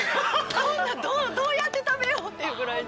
こんなどうやって食べようっていうぐらいに。